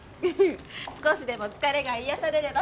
少しでも疲れが癒やされればと思って。